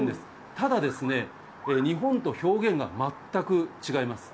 ただですね、日本と表現が全く違います。